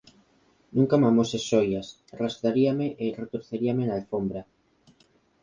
Nunca me amoses xoias, arrastraríame e retorceríame na alfombra.